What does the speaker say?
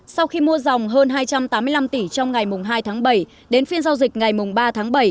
sau khi mua dòng hơn hai trăm tám mươi năm tỷ trong ngày hai tháng bảy đến phiên giao dịch ngày ba tháng bảy